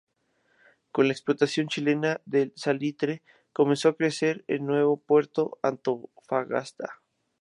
Con la explotación chilena del salitre comenzó a crecer el nuevo puerto de Antofagasta.